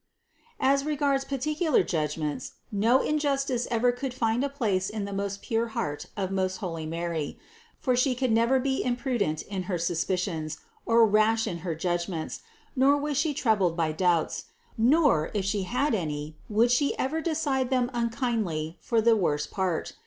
As regards particular judgments no injustice ever could find a place in the most pure heart of most holy Mary ; for She could never be imprudent in her sus picions, or rash in her judgments, nor was She troubled by doubts ; nor, if She had any, would She ever decide them unkindly for the worse part.